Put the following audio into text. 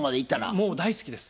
もう大好きです。